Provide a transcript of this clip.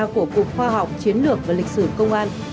của cục khoa học chiến lược và lịch sử công an